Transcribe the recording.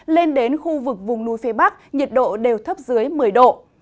lên đến khu vực vùng núi phía bắc nhiệt độ đều thấp dưới một mươi độ